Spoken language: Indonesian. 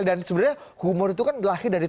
dan sebenarnya humor itu kan lahir dari